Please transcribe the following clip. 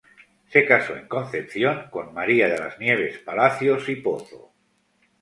Se casó en Concepción, con "María de las Nieves Palacios y Pozo".